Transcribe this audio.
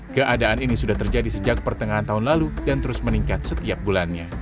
keadaan ini sudah terjadi sejak pertengahan tahun lalu dan terus meningkat setiap bulannya